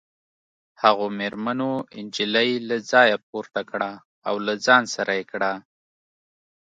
هغو مېرمنو نجلۍ له ځایه پورته کړه او له ځان سره یې کړه